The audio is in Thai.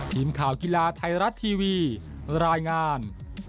ทีมข่าวกีฬาไทยรัฐทีวีรายงาน